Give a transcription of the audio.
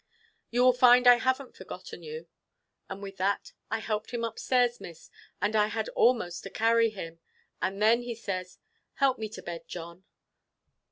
You will find as I haven't forgotten you.' And with that I helped him upstairs, Miss, and I had almost to carry him; and then he says, 'Help me to bed, John.